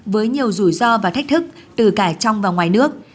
với nhiều rủi ro và thách thức từ cả trong và ngoài nước